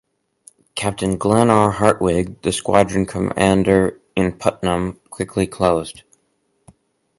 Captain Glenn R. Hartwig, the squadron commander in "Putnam", quickly closed.